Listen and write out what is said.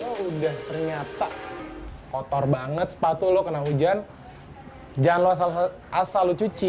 kalau sudah ternyata kotor banget sepatu lo kena hujan jangan lo asal asal cuci